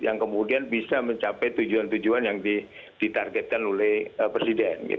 yang kemudian bisa mencapai tujuan tujuan yang ditargetkan oleh presiden